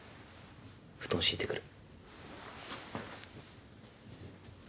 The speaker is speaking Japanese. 布団敷いてくる。